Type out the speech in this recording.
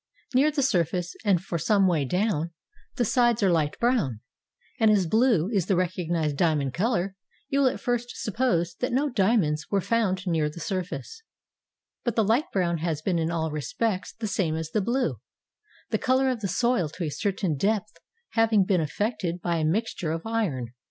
Near the surface and for some way down, the sides are light brown, and as blue is the recognized diamond color, you will at first suppose that no diamonds were found near the surface ;— but the Ught brown has been in all respects the same as the blue, the color of the soil to a certain depth having been affected by a mixture of iron.